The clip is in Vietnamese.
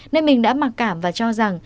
nên mình đã mặc cảm và cho rằng